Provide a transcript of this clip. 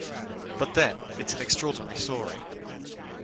But then, it's an extraordinary story.